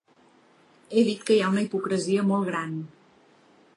He dit que hi ha una hipocresia molt gran.